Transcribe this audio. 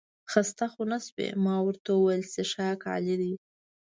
خسته خو نه شوې؟ ما ورته وویل څښاک عالي دی.